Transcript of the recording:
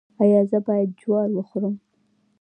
ایا زه باید جوار وخورم؟